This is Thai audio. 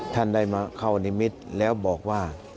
ท่านได้มาเข้านิมิตรแล้วบอกว่า